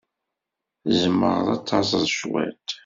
Tzemreḍ ad taẓeḍ cwiṭ?